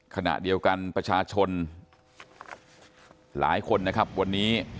ขณะเดียวกันประชาชนหลายคนนะครับวันนี้